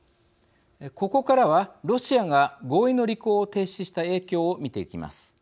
ここからはロシアが合意の履行を停止した影響を見ていきます。